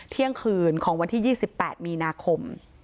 เที่ยงคืนของวันที่๒๘มีนาคม